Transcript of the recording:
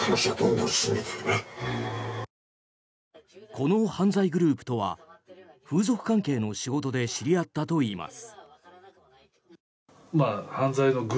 この犯罪グループとは風俗関係の仕事で知り合ったといいます。